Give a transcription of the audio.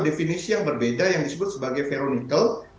definisi yang berbeda yang disebut sebagai veronical